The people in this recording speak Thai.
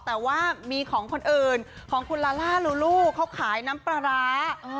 แต่ว่ามีของคนอื่นของคุณลาล่าลูลูเขาขายน้ำปลาร้า